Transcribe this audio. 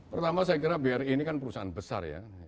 pertama saya kira bri ini kan perusahaan besar ya